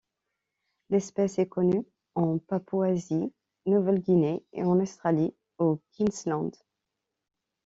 L'espèce est connue en Papouasie-Nouvelle-Guinée et en Australie au Queensland.